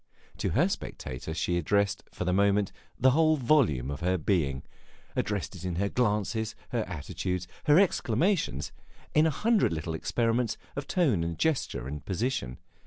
To her spectator she addressed, for the moment, the whole volume of her being addressed it in her glances, her attitudes, her exclamations, in a hundred little experiments of tone and gesture and position.